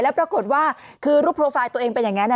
แล้วปรากฏว่าคือรูปโปรไฟล์ตัวเองเป็นอย่างนั้น